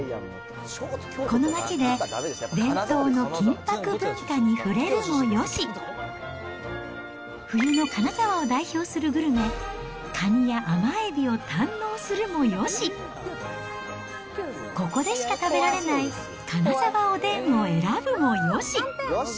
この街で伝統の金ぱく文化に触れるもよし、冬の金沢を代表するグルメ、カニや甘エビを堪能するもよし、ここでしか食べられない金沢おでんを選ぶもよし。